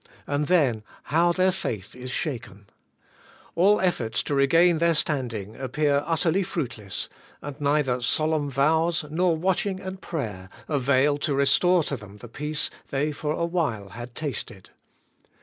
And then, how their faith is shaken ! All efforts to regain their standing appear utterly fruitless; and neither solemn vows, nor watch ing and prayer, avail to restore to them the peace they for a while had tasted.